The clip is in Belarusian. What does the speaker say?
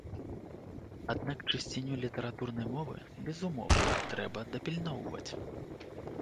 Аднак чысціню літаратурнай мовы, безумоўна, трэба дапільноўваць!